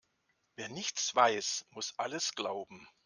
Wer nichts weiß, muss alles glauben.